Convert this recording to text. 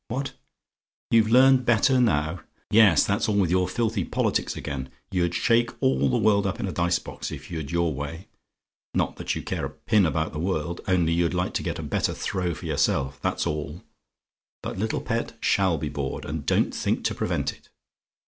What? "YOU'VE LEARNED BETTER NOW? "Yes, that's all with your filthy politics again. You'd shake all the world up in a dice box, if you'd your way: not that you care a pin about the world, only you'd like to get a better throw for yourself, that's all. But little pet SHALL be bored, and don't think to prevent it.